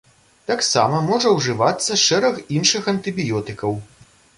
Таксама можа ўжывацца шэраг іншых антыбіётыкаў.